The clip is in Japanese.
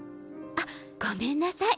あっごめんなさい。